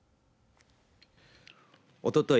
おととい